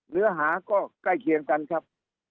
เนื้อหาก็ใกล้เคียงกันครับ